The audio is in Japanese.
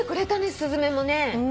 スズメもね。